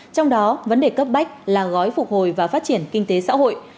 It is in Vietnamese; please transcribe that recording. trong đó vấn đề cấp bách là gói phục hồi và phát triển kinh tế xã hội